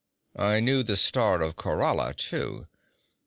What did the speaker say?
'I knew the Star of Khorala, too.